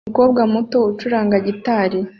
Umukobwa muto ucuranga gitari